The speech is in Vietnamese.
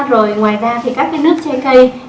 rồi ngoài ra thì các cái nước trái cây